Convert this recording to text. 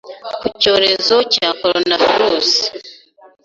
ku cyorezo cya coronavirus